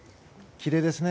きれいですね